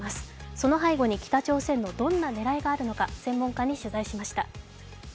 その背後に北朝鮮のどんな狙いがあるのか、専門家に取材しました。